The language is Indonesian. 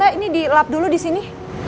ini di lap dulu disini